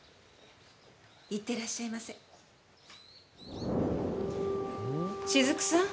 いってらっしゃいませ雫さん